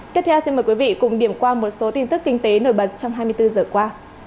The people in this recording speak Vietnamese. tiếp theo xin mời quý vị cùng điểm qua một số tin tức kinh tế nổi bật trong hai mươi bốn giờ qua